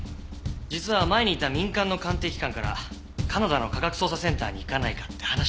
実は前にいた民間の鑑定機関からカナダの科学捜査センターに行かないかって話が来てましてね。